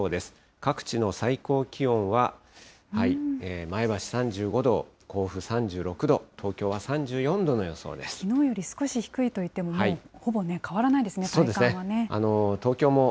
各地の最高気温は前橋３５度、甲府３６度、東京は３４度の予想できのうより少し低いといっても、ほぼ変わらないですね、体感はね。